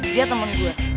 dia temen gua